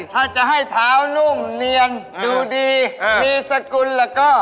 ถ้าจะให้เท้านุ่มเนียงดูดีมีสกุลแล้วก็